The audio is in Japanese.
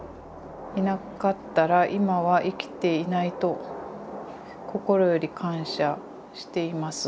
いなかったら今は生きていないと心より感謝しています。